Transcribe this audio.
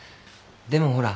でもほら。